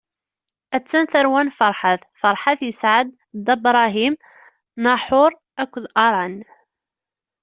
A-tt-an tarwa n Farḥat: Farḥat isɛa-d Dda Bṛahim, Naḥuṛ akked Aṛan.